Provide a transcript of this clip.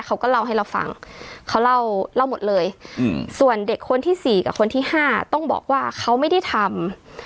เขาก็เล่าให้เราฟังเขาเล่าหมดเลยส่วนเด็กคนที่สี่กับคนที่๕ต้องบอกว่าเขาไม่ได้ทำ